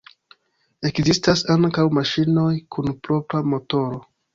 Ekzistas ankaŭ maŝinoj kun propra motoro.